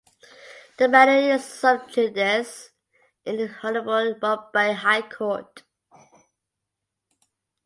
The matter is sub judice in the Honorable Mumbai High Court.